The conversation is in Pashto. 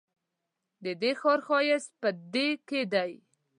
ددې ښار ښایست په دې کې دی.